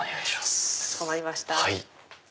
かしこまりました。